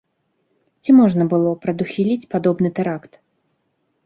Ці можна было прадухіліць падобны тэракт?